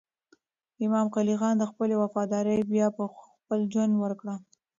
امام قلي خان د خپلې وفادارۍ بیه په خپل ژوند ورکړه.